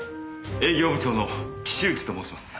営業部長の岸内と申します。